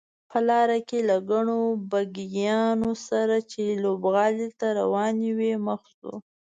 په لاره کې له ګڼو بګیانو سره چې لوبغالي ته روانې وې مخ شوو.